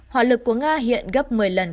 hỏa lực của nga hiện gấp một mươi lần